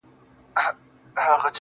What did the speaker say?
يو يمه خو.